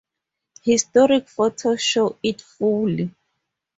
Historic photos show it fully.